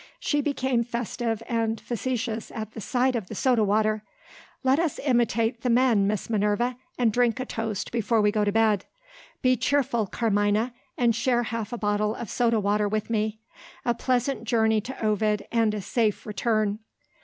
She became festive and facetious at the sight of the soda water. "Let us imitate the men, Miss Minerva, and drink a toast before we go to bed. Be cheerful, Carmina, and share half a bottle of soda water with me. A pleasant journey to Ovid, and a safe return!"